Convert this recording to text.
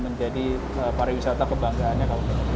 menjadi pariwisata kebanggaannya kabupaten kendal